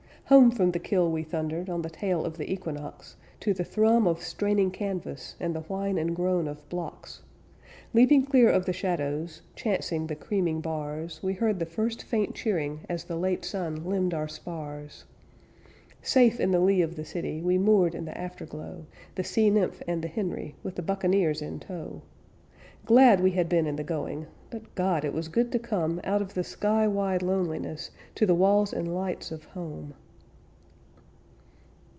Home from the kill we thundered On the tail of the equinox, To the thrum of straining canvas, And the whine and groan of blocks. Leaping clear of the shallows, Chancing the creaming bars, We heard the first faint cheering As the late sun limned our spars. Safe in the lee of the city We moored in the afterglow, The Sea Nymph and the Henry With the buccaneers in tow. Glad we had been in the going, But God! it was good to come Out of the sky wide loneliness To the walls and lights of home.